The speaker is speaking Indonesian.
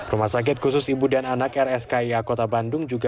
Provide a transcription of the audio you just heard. rumah sakit khusus ibu dan anak rskia kota bandung juga